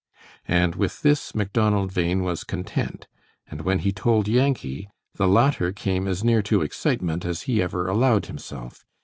And with this Macdonald Bhain was content, and when he told Yankee, the latter came as near to excitement as he ever allowed himself.